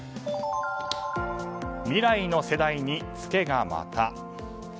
未来の世代にツケがまた。